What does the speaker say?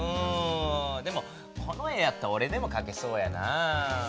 でもこの絵やったらおれでもかけそうやな。